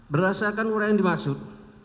berdasarkan uraian dimaksud